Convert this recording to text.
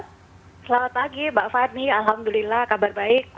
selamat pagi mbak fadli alhamdulillah kabar baik